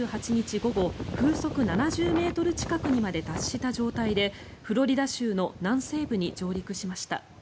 午後風速７０ｍ近くにまで達した状態でフロリダ州の南西部に上陸しました。